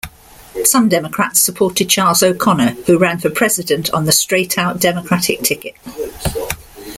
Some Democrats supported Charles O'Conor, who ran for President on the Straight-Out Democratic ticket.